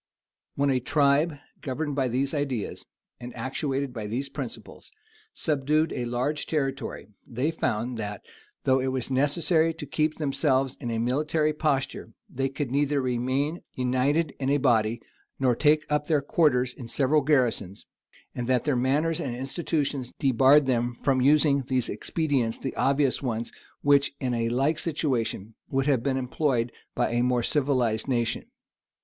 [* Tacit. de Mor. Germ.] When a tribe, governed by these ideas, and actuated by these principles, subdued a large territory, they found that, though it was necessary to keep themselves in a military posture, they could neither remain united in a body, nor take up their quarters in several garrisons, and that their manners and institutions debarred them from using these expedients the obvious ones, which, in a like situation, would have been employed by a more civilized nation.